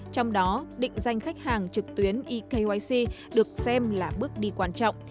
trong đó định danh khách hàng trực tuyến ekyc được xem là bước đi quan trọng